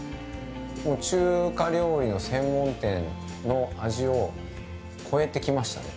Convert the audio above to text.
もう中華料理の専門店の味を超えてきましたね。